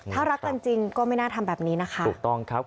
ถ้ารักกันจริงก็ไม่น่าทำแบบนี้นะคะถูกต้องครับ